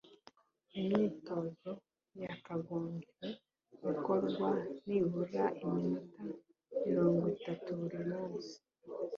Imyitozo yakagombye gukorwa nibura iminota mirongwitatu buri munsi